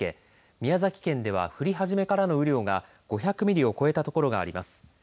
宮崎県では降り始めからの雨量が５００ミリを超えたところがあります。